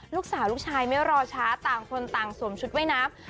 ลูกชายลูกชายไม่รอช้าต่างคนต่างสวมชุดว่ายน้ำ